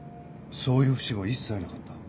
そういう節も一切なかった？